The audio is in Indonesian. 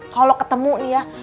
kalau ketemu nih ya